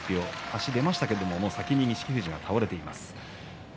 足が出ていましたが先に錦富士が倒れています。